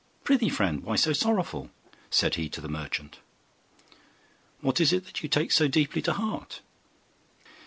'Prithee, friend, why so sorrowful?' said he to the merchant; 'what is it you take so deeply to heart?